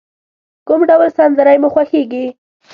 کوم ډول سندری مو خوښیږی؟